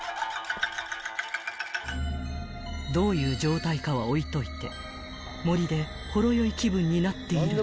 ［どういう状態かは置いといて森でほろ酔い気分になっていると］